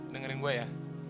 dengerin gua ya